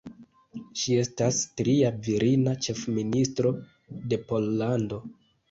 Ŝi estas tria virina ĉefministro de Pollando.